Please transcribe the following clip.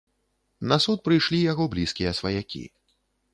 На суд прыйшлі яго блізкія сваякі.